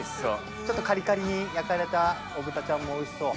ちょっとカリカリに焼かれたお豚ちゃんもおいしそう。